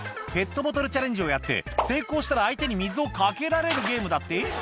ペットボトルチャレンジをやって成功したら相手に水をかけられるゲームだって？